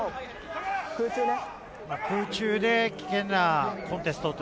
空中で危険なコンテスト。